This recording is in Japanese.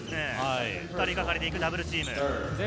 ２人がかりでいくダブルチーム。